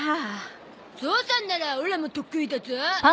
ゾウさんならオラも得意だゾ！